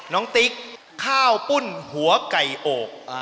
น้องติ๊กข้าวปุ่นหัวไก่โอก